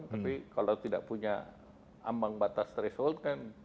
tapi kalau tidak punya ambang batas threshold kan